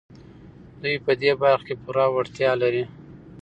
دوی په دې برخه کې پوره وړتيا لري.